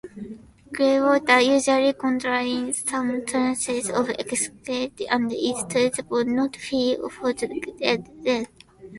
Greywater usually contains some traces of excreta and is therefore not free of pathogens.